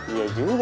iya juga sih ya